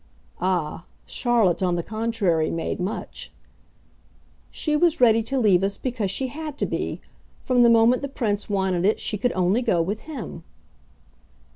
Ah, Charlotte on the contrary made much! "She was ready to leave us because she had to be. From the moment the Prince wanted it she could only go with him."